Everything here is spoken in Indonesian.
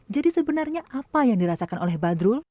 jadi sebenarnya apa yang dirasakan oleh badrul